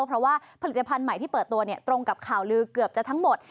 เพราะว่าผลิตภัณฑ์ใหม่ที่เปิดตัวตรงกับข่าวลือเกือบจะทั้งหมด